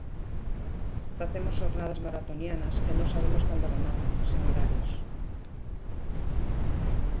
Facemos xornadas maratonianas, que non sabemos cando rematan, sen horarios.